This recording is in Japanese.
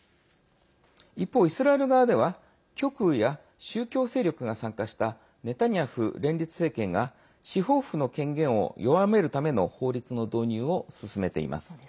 一方、イスラエル側では極右や宗教勢力が参加したネタニヤフ連立政権が司法府の権限を弱めるための法律の導入を進めています。